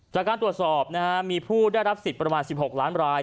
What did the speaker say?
จากการตรวจสอบมีผู้ได้รับสิทธิ์ประมาณ๑๖ล้านราย